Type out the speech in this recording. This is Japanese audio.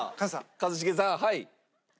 一茂さんはい。